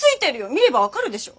見れば分かるでしょ。